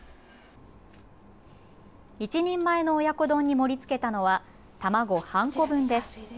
１人前の親子丼に盛りつけたのは卵半個分です。